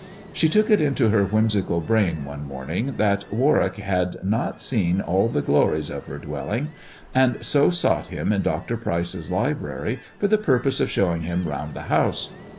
She took it into her whimsical brain one morning that Warwick had not seen all the glories of her dwelling, and so sought him in Dr. Pryce's library for the purpose of showing him round the house.